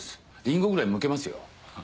リンゴぐらいむけますよ。